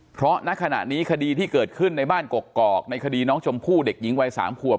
เพราะณขณะนี้คดีที่เกิดขึ้นในบ้านกกอกในคดีน้องชมพู่เด็กหญิงวัย๓ขวบ